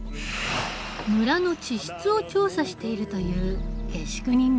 村の地質を調査しているという下宿人のネイト。